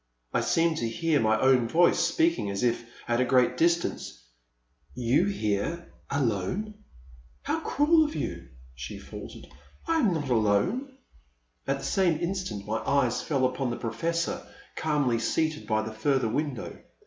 I seemed to hear my own voice speaking as if at a great distance ;you here — alone? How cruel of you,*' she faltered, I am not alone.'* At the same instant my eyes fell upon the Professor, calmly seated by the further win dow.